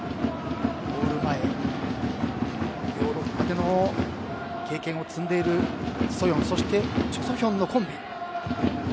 ゴール前、ヨーロッパでの経験を積んでいるチ・ソヨンとチョ・ソヒョンのコンビ。